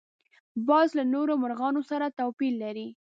باز له نورو مرغانو سره توپیر لري